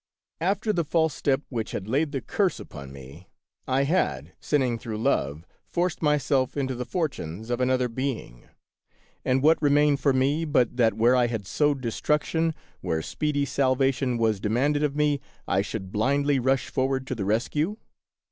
After the false step which had laid the curse upon me, I had, sinning through love, forced myself into the fortunes of another being; and what remained for me but that where I had sowed de of Peter Schlemihl. 77 struction, where speedy salvation was demanded of me, I should blindly rush forward to the rescue